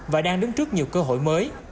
và đang đứng trước nhiều cơ hội mới